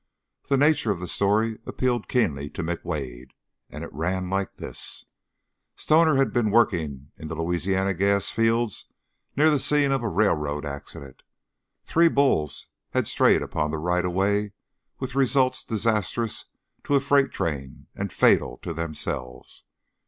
The nature of the story appealed keenly to McWade, and it ran like this: Stoner had been working in the Louisiana gas fields near the scene of a railroad accident three bulls had strayed upon the right of way with results disastrous to a freight train and fatal to themselves.